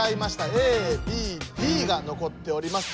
ＡＢＤがのこっております。